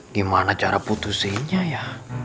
gimana cara putusinnya ya